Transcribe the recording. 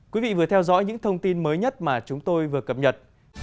quý vị vừa theo dõi những thông tin mới nhất mà chúng tôi vừa cập nhật